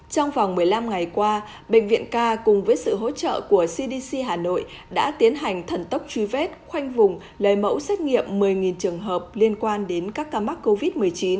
trong vòng một mươi năm ngày qua bệnh viện k cùng với sự hỗ trợ của cdc hà nội đã tiến hành thần tốc truy vết khoanh vùng lấy mẫu xét nghiệm một mươi trường hợp liên quan đến các ca mắc covid một mươi chín